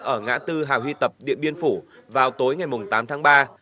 ở ngã tư hào huy tập điện biên phủ vào tối ngày tám tháng ba